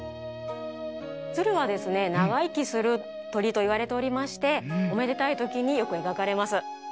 つるはですねながいきするとりといわれておりましておめでたいときによくえがかれます。